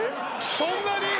そんなに？